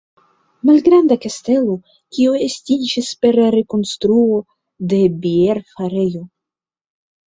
Malgranda kastelo, kiu estiĝis per rekonstruo de bierfarejo.